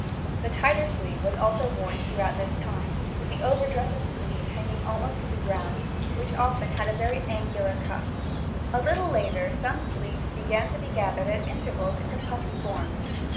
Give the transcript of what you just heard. The tighter sleeve was also worn throughout this time, with the overdress and sleeve hanging almost to the ground, which often had a very angular cuff. A little later some sleeves began to be gathered at intervals into puffy forms.